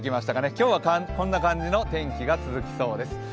今日はこんな感じの天気が続きそうです。